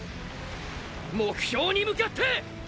目標に向かって！！